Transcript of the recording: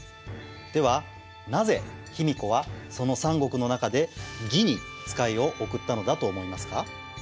ではなぜ卑弥呼はその三国の中で魏に使いを送ったのだと思いますか？